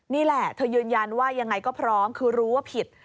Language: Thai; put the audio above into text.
นี่แหละเธอยืนยันว่ายังไงก็พร้อมคือรู้ว่าผิด